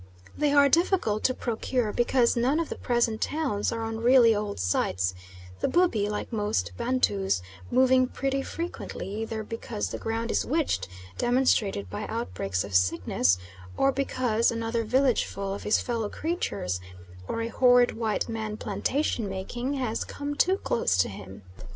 They are difficult to procure, because none of the present towns are on really old sites, the Bubi, like most Bantus, moving pretty frequently, either because the ground is witched, demonstrated by outbreaks of sickness, or because another village full of his fellow creatures, or a horrid white man plantation making, has come too close to him.